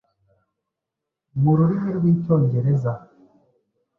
mu rurimi rw'Icyongereza